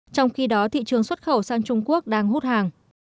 trong khi đó thị trường xuất khẩu sang trung quốc đang hút hàng